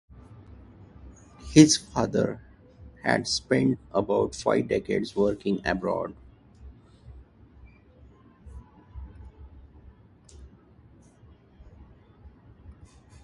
His father had spent about five decades working aboard.